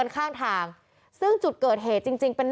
เพราะถูกทำร้ายเหมือนการบาดเจ็บเนื้อตัวมีแผลถลอก